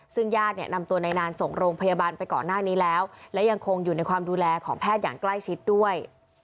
ซึ่งญาติเนี่ยนำตัวนายนานส่งโรงพยาบาลไปก่อนหน้านี้แล้วและยังคงอยู่ในความดูแลของแพทย์อย่างใกล้ชิดด้วย